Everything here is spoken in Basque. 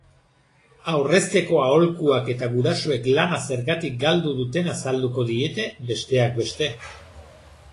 Aurrezteko aholkuak eta gurasoek lana zergatik galdu duten azalduko diete, besteak beste.